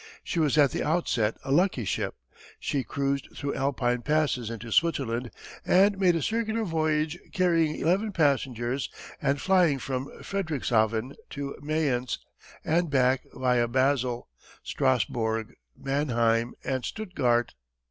She was at the outset a lucky ship. She cruised through Alpine passes into Switzerland, and made a circular voyage carrying eleven passengers and flying from Friedrichshaven to Mayence and back via Basle, Strassburg, Mannheim, and Stuttgart.